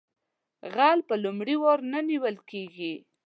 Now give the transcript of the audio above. غل په لومړي وار نه نیول کیږي